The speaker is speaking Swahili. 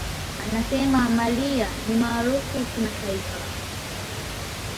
Anasema, "Mariah ni maarufu kimataifa.